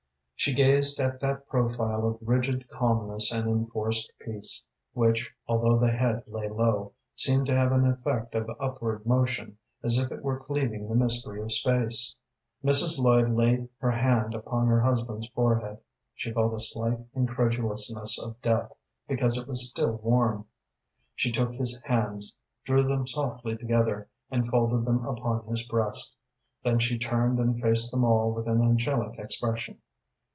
She gazed at that profile of rigid calmness and enforced peace, which, although the head lay low, seemed to have an effect of upward motion, as if it were cleaving the mystery of space. Mrs. Lloyd laid her hand upon her husband's forehead; she felt a slight incredulousness of death, because it was still warm. She took his hands, drew them softly together, and folded them upon his breast. Then she turned and faced them all with an angelic expression.